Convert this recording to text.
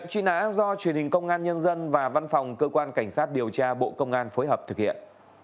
công an nhân dân và văn phòng cơ quan cảnh sát điều tra bộ công an phối hợp thực hiện